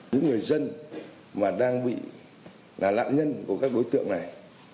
những người dân mà đang bị là nạn nhân của các đối tượng này